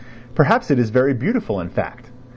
Perhaps it is very beautiful, in fact.